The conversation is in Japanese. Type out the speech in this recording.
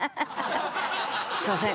すいません。